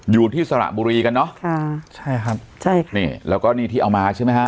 อยู่ที่สร้างบุรีกันนึงครับใช่ครับ